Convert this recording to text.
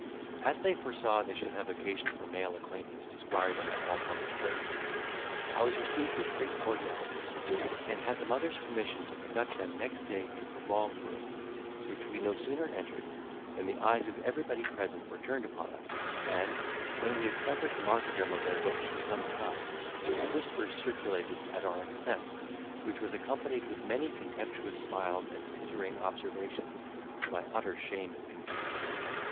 As they foresaw they should have occasion for a male acquaintance to squire them at all public places, I was received with great cordiality, and had the mother's permission to conduct them next day to the Long Room, which we no sooner entered, than the eyes of everybody present were turned upon us, and, when we had suffered the martyrdom of their looks for some time, a whisper circulated at our expense, which was accompanied with many contemptuous smiles and tittering observations, to my utter shame and confusion.